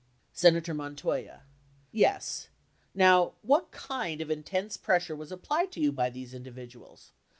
Senator Montoya. Yes. Row, what kind of intense pressure was applied to you by these individuals?